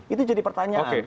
itu jadi pertanyaan